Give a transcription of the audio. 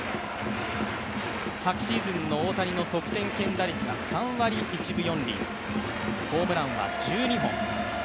昨シーズンの大谷の得点圏打率が３割１分４厘、ホームランは１２本。